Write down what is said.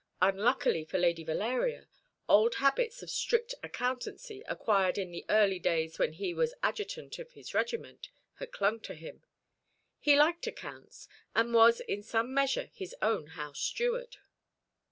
Unluckily for Lady Valeria, old habits of strict accountancy, acquired in the early days when he was adjutant of his regiment, had clung to him. He liked accounts, and was in some measure his own house steward.